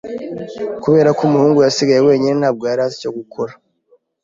Kubera ko umuhungu yasigaye wenyine, ntabwo yari azi icyo gukora.